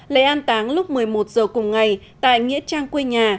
lễ an táng lúc một mươi một h cùng ngày tại nghĩa trang quê nhà